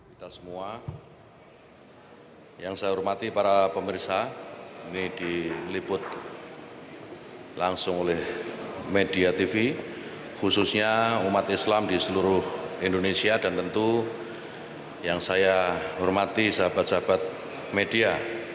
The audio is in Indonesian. kita semua yang saya hormati para pemerintah ini diliput langsung oleh media tv khususnya umat islam di seluruh indonesia dan tentu yang saya hormati sahabat sahabat media